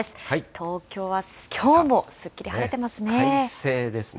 東京はきょうもすっきり晴れてますね。